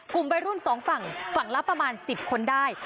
กลุ่มบรรยุ่นสองฝั่งฝั่งระประมาณสิบคนได้